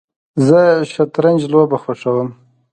زه شطرنج لوبه خوښوم